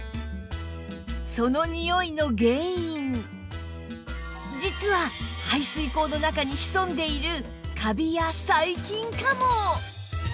そのにおいの原因実は排水口の中に潜んでいるカビや細菌かも